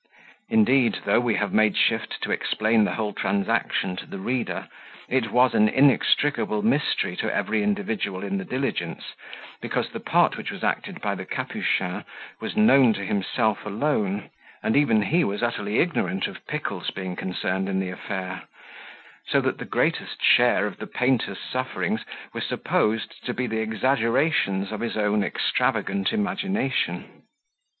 Indeed, though we have made shift to explain the whole transaction to the reader, it was an inextricable mystery to every individual in the diligence, because the part which was acted by the Capuchin was known to himself alone, and even he was utterly ignorant of Pickle's being concerned in the affair; so that the greatest share of the painter's sufferings were supposed to be the exaggerations of his own extravagant imagination.